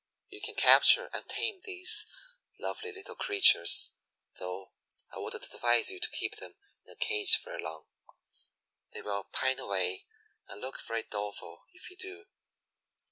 You can capture and tame these lovely little creatures, too, though I wouldn't advise you to keep them in a cage very long. They will pine away and look very doleful if you do.